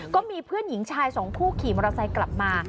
ก็มีเพื่อนหญิงชายสองผู้ขี่มอเตอร์ไซค์กลับมา